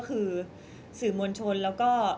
ก็ต้องฝากพี่สื่อมวลชนในการติดตามเนี่ยแหละค่ะ